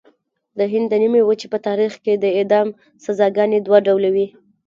د هند د نیمې وچې په تاریخ کې د اعدام سزاګانې دوه ډوله وې.